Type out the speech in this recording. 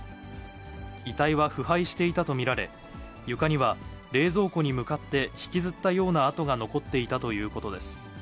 遺体は腐敗していたと見られ、床には冷蔵庫に向かって、引きずったような跡が残っていたということです。